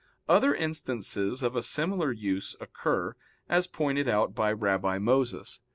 Other instances of a similar use occur, as pointed out by Rabbi Moses.